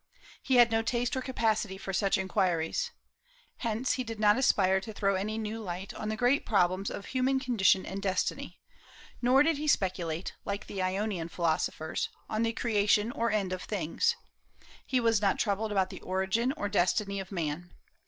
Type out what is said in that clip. He had no taste or capacity for such inquiries. Hence, he did not aspire to throw any new light on the great problems of human condition and destiny; nor did he speculate, like the Ionian philosophers, on the creation or end of things. He was not troubled about the origin or destiny of man.